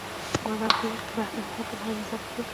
مګر ډیر به د هغه بل حیوان سره احتياط کوئ،